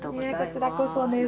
こちらこそです。